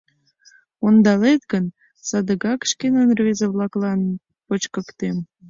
Ондалет гын, садыгак шкенан рвезе-влаклан почкыктем.